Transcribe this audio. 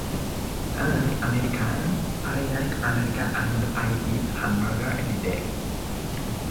His account is generally regarded as authentic.